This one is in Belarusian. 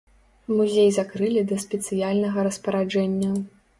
Музей закрылі да спецыяльнага распараджэння.